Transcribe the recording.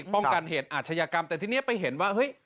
ป้องกันเหตุอาชญากรรมแต่ทีนี้ไปเห็นว่าเฮ้ย